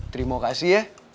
terima kasih ya